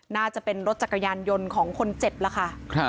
น่าจะเป็นรถจักรยานยนต์ของคนเจ็บล่ะค่ะ